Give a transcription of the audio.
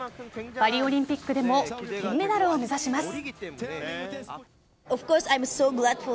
パリオリンピックでも金メダルを目指します。